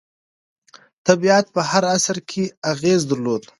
طبیعت په هر عصر کې اغېز درلود.